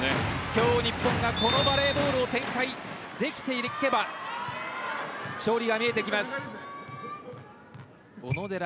今日、日本がこのバレーボールを展開できていけば勝利が見えてきます。